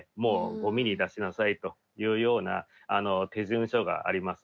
ゴミに出しなさいというような手順書があります。